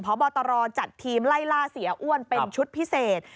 พบตรจัดทีมไล่ล่าเสียอ้วนเป็นชุดพิเศษ